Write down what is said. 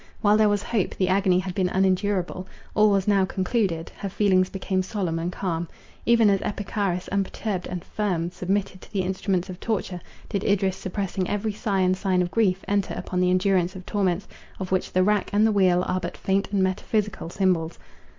While there was hope, the agony had been unendurable;—all was now concluded; her feelings became solemn and calm. Even as Epicharis, unperturbed and firm, submitted to the instruments of torture, did Idris, suppressing every sigh and sign of grief, enter upon the endurance of torments, of which the rack and the wheel are but faint and metaphysical symbols.